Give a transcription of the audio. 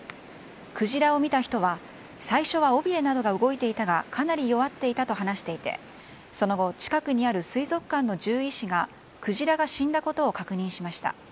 クジラを見た人は、最初は尾びれなどが動いていたがかなり弱っていたと話していてその後、近くにある水族館の獣医師がクジラが死んだことを確認しました。